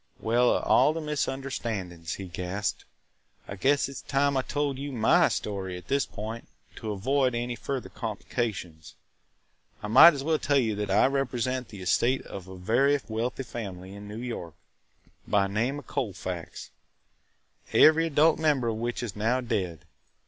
"Well, of all the misunderstandings!" he gasped. "I guess it 's time I told my story at this point, to avoid any further complications. I might as well tell you that I represent the estate of a very wealthy family in New York, by name of Colfax, every adult member of which is now dead.